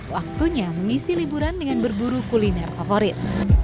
waktunya mengisi liburan dengan berburu kuliner favorit